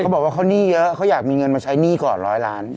บอกว่าเขาหนี้เยอะเขาอยากมีเงินมาใช้หนี้ก่อนร้อยล้าน